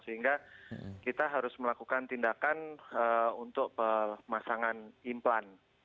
sehingga kita harus melakukan tindakan untuk pemasangan implan